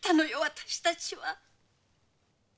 私たちは。